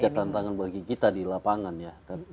ada tantangan bagi kita di lapangan ya